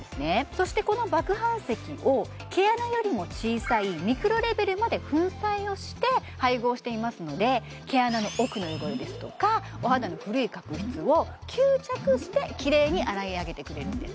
そしてこの麦飯石を毛穴よりも小さいミクロレベルまで粉砕をして配合していますので毛穴の奥の汚れですとかお肌の古い角質を吸着してキレイに洗い上げてくれるんです